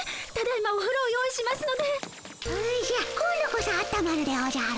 おじゃ今度こそあったまるでおじゃる。